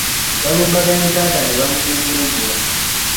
Balumbaganye taata ne bamugugumbula.